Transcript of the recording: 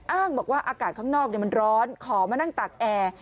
อ้างบอกว่าอากาศข้างนอกมันร้อนขอมานั่งตากแอร์